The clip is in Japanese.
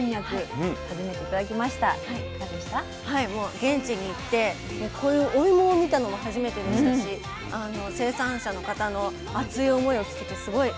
現地に行ってこういうお芋を見たのも初めてでしたしあの生産者の方の熱い思いを聞けてすごいよかったなと思いました。